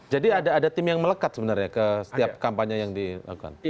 jadi ada tim yang melekat sebenarnya ke setiap kampanye yang dilakukan